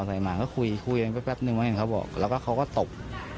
พี่คุยกันแป๊บนึงไว้ให้เขาบอกแล้วก็เขาก็ตบ